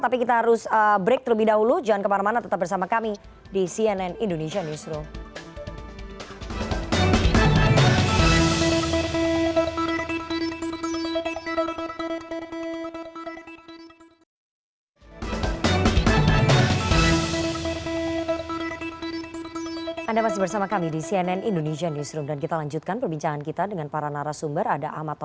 tapi kita harus break terlebih dahulu